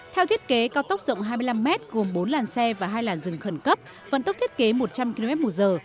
theo thiết kế cao tốc rộng hai mươi năm m gồm bốn làn xe và hai làn rừng khẩn cấp vận tốc thiết kế một trăm linh km một giờ